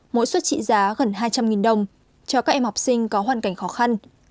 mỗi suất trị giá gần hai trăm linh đồng cho các em học sinh có hoàn cảnh khó khăn